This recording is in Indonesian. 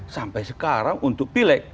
sampai sekarang untuk pileg